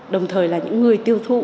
đồng thời là những người tiêu thụ